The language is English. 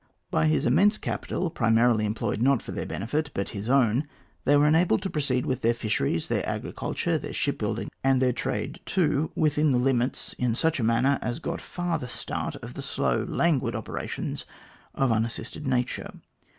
By his immense capital, primarily employed not for their benefit but his own, they were enabled to proceed with their fisheries, their agriculture, their ship building, and their trade, too, within the limits, in such a manner as got far the start of the slow languid operations of unassisted nature.